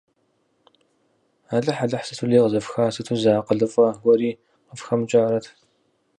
Алыхь-Алыхь, сыту лей къызэфха, сыту зы акъылыфӀэ гуэри къыфхэмыкӀарэт.